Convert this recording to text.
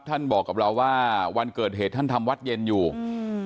บอกกับเราว่าวันเกิดเหตุท่านทำวัดเย็นอยู่อืม